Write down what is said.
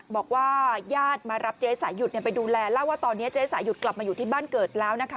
บอกว่าญาติมารับเจ๊สายหยุดไปดูแลเล่าว่าตอนนี้เจ๊สายหยุดกลับมาอยู่ที่บ้านเกิดแล้วนะคะ